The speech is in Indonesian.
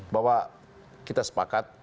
bahwa kita sepakat